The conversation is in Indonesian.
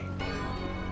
mengheningkan cipta selesai